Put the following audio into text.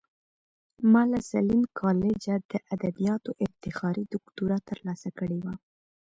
ما له ساليم کالجه د ادبياتو افتخاري دوکتورا ترلاسه کړې وه.